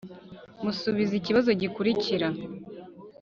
Musubize ikibazo gikurikira: